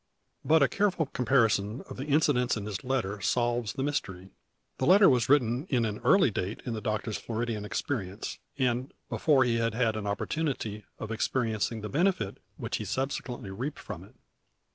But a careful comparison of the incidents in his letter solves the mystery. The letter was written in an early date in the doctor's Floridian experience, and before he had had an opportunity of experiencing the benefit which he subsequently reaped from it.